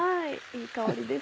いい香りです。